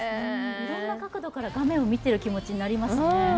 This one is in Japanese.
いろんな角度から画面を見ている気持ちになりますね。